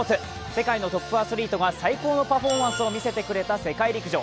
世界のトップアスリートが最高のパフォーマンスを見せてくれた世界陸上。